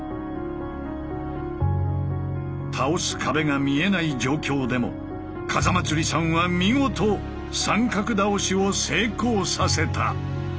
倒す壁が見えない状況でも風祭さんは見事三角倒しを成功させた。